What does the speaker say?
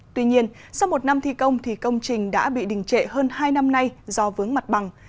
tuy nhiên sau một năm thi công thì công trình đã bị đình trệ hơn hai năm nay do vướng mặt bằng